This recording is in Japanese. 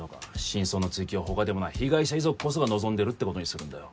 真相の追及を他でもない被害者遺族こそが望んでるってことにするんだよ